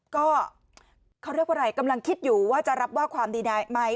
ก็เขาเรียกว่าอะไรกำลังคิดอยู่ว่าจะรับว่าความดีได้ไหม